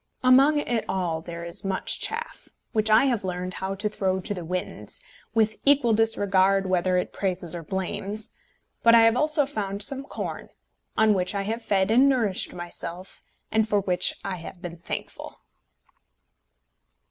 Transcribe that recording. Among it all there is much chaff, which I have learned how to throw to the winds, with equal disregard whether it praises or blames; but I have also found some corn, on which I have fed and nourished myself, and for which I have been thankful.